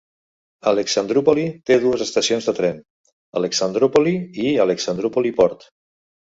Alexandrúpoli té dues estacions de tren: Alexandroupoli i Alexandroupoli Port.